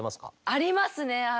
ありますね。